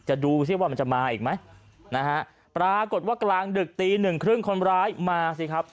ดูสิว่ามันจะมาอีกไหมนะฮะปรากฏว่ากลางดึกตีหนึ่งครึ่งคนร้ายมาสิครับ